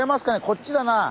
こっちだなあ。